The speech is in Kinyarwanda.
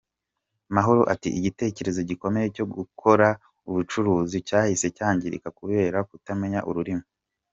Mahoro ati “Igitekerezo gikomeye cyo gukora ubucuruzi cyahise cyangirika kubera kutamenya ururimi.